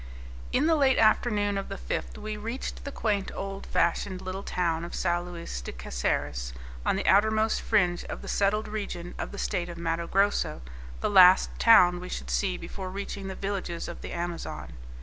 In the late afternoon of the 5th we reached the quaint old fashioned little town of Sao Luis de Caceres, on the outermost fringe of the settled region of the state of Matto Grosso, the last town we should see before reaching the villages of the Amazon.